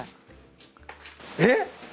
えっ！？